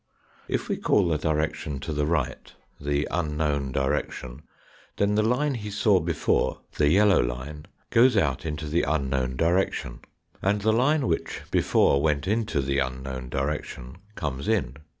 If we call the direction to the right the unknown direction, then the line he saw before, the yellow line, goes out into this unknown direction, and the line which before went into the unknown direction, comes in.